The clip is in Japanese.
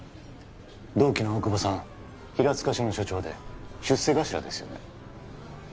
同期の大久保さん平塚署の署長で出世頭ですよね